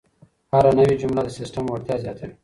هره نوې جمله د سیسټم وړتیا زیاتوي.